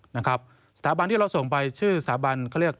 นะครับสถาบันที่เราส่งไปชื่อสถาบันเขาเรียก